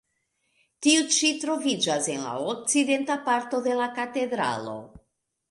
Tiu ĉi troviĝas en la okcidenta parto de la katedralo.